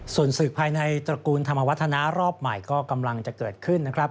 ส่วนศึกภายในตระกูลธรรมวัฒนารอบใหม่ก็กำลังจะเกิดขึ้นนะครับ